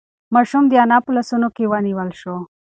ماشوم د انا په لاسونو کې ونیول شو.